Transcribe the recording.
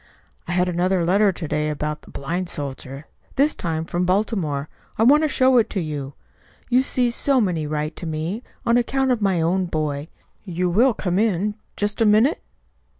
"I had another letter to day about a blind soldier this time from Baltimore. I want to show it to you. You see, so many write to me, on account of my own boy. You will come in, just a minute?"